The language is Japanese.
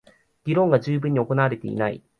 議論が充分に行われていない